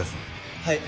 はい。